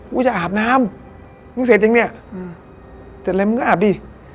กูจะอาบน้ำมึงเสร็จยังเนี่ยแต่อะไรมึงก็อาบดิ